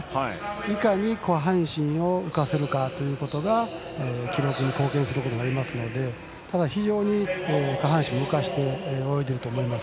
いかに下半身を浮かせるかが記録に貢献することになりますのでただ非常に下半身を動かして泳いでいると思います。